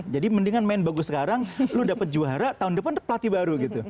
jadi mendingan main bagus sekarang lo dapat juara tahun depan pelatih baru gitu